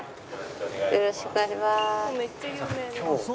よろしくお願いします。